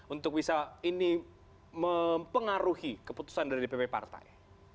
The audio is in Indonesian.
untuk bisa ini mempengaruhi keputusan dari dpp partai